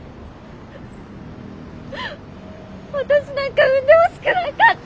私なんか産んでほしくなかった。